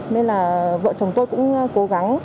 nên là vợ chồng tôi cũng cố gắng